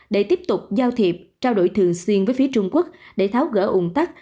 để tiếp tục giao thiệp trao đổi thường xuyên với phía trung quốc để tháo gỡ ung tắc